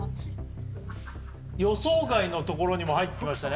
予想外の所にも入ってきましたね